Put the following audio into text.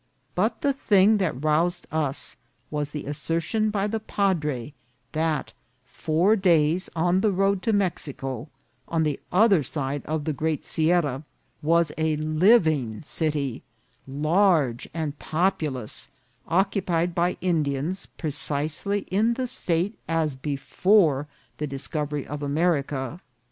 But the thing that roused us was the assertion by the padre that, four days on the road to Mexico, on the other side of the great sierra, was a living city, large and populous, occupied by Indians, precisely in the same state as before the discovery of America.